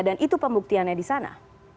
dan itu pembuktiannya di sana